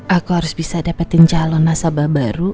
aku harus bisa dapetin calon nasabah baru